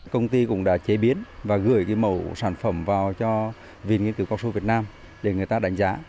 công ty cũng đã chế biến và gửi mẫu sản phẩm vào cho viện nghiên cứu cao su việt nam để người ta đánh giá